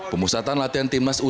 pemusatan latihan timnas u dua puluh